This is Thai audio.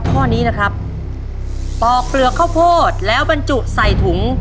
ข้อนี้นะครับปอกเปลือกข้าวโพดแล้วบรรจุใส่ถุง